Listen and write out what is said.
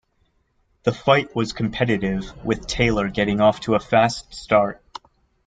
The fight was competitive, with Taylor getting off to a fast start.